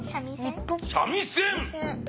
三味線？